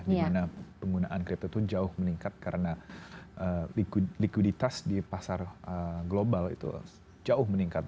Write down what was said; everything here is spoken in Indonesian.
dimana penggunaan kripto itu jauh meningkat karena likuiditas di pasar global itu jauh meningkat